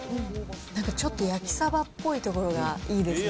なんかちょっと焼きサバっぽいところがいいですね。